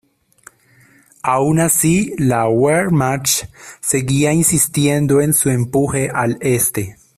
Aun así, la Wehrmacht seguía insistiendo en su empuje al este.